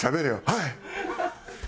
「はい！」。